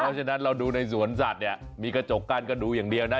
เพราะฉะนั้นเราดูในสวนสัตว์เนี่ยมีกระจกกั้นก็ดูอย่างเดียวนะ